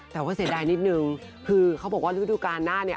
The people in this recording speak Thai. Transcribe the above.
แต่ว่าเสียดายนิดนึงคือเขาบอกว่าฤดูการหน้าเนี่ย